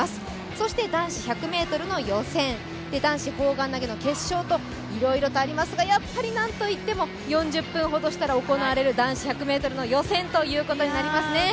そして男子１００ｍの予選、男子砲丸投げの決勝といろいろとありますが、やっぱりなんといっても４０分ほどしたら行われる男子１００ｍの予選ということになりますね。